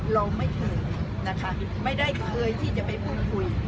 เราไม่เคยนะคะไม่ได้เคยที่จะไปพูดคุย